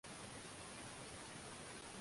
Amekaa kwenye kiti kizuri